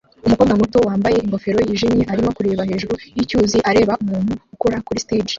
Umukobwa muto wambaye ingofero yijimye arimo kureba hejuru yicyuzi areba umuntu ukora kuri stage